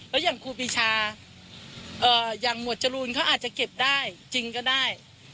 แล้วอย่างครูปีชาอย่างหมวดจรูนเขาอาจจะเก็บได้จริงก็ได้